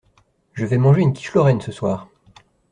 Je vais manger une quiche lorraine ce soir.